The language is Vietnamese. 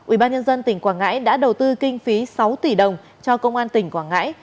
ubnd tỉnh quảng ngãi đã đầu tư kinh phí sáu tỷ đồng cho công an tỉnh quảng ngãi